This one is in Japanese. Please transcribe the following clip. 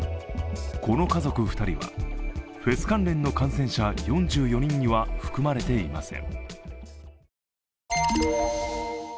この家族２人は、フェス関連の感染者４４人には含まれていません。